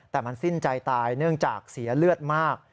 แต่มันสิ้นใจตายเนื่องจากเสียเลือดมาก